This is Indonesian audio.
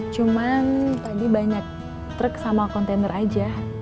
cuman tadi banyak truk sama kontainer aja